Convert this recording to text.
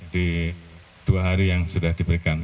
di dua hari yang sudah diberikan